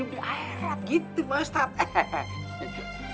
gitu pak ustadz